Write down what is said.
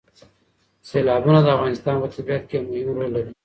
سیلابونه د افغانستان په طبیعت کې یو مهم رول لري.